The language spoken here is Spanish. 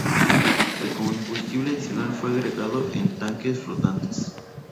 El combustible adicional fue agregado en tanques flotantes.